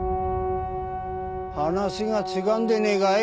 話が違うんでねえかい？